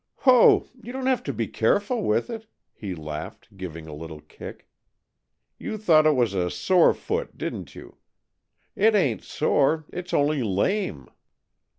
"Ho! You don't have to be careful with it," he laughed, giving a little kick. "You thought it was a sore foot, didn't you? It ain't sore, it's only lame."